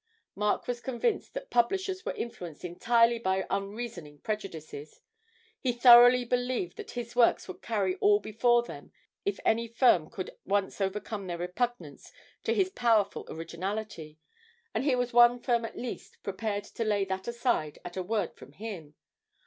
Mark was convinced that publishers were influenced entirely by unreasoning prejudices; he thoroughly believed that his works would carry all before them if any firm could once overcome their repugnance to his powerful originality, and here was one firm at least prepared to lay that aside at a word from him.